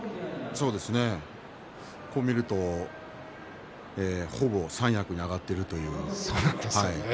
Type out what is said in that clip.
こうやって見るとほぼ三役に上がっているという。